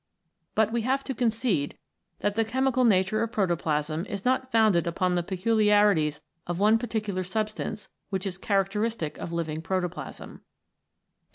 But we have to concede that the chemical nature of protoplasm is not founded upon the peculiarities of one particular substance which is characteristic of living protoplasm.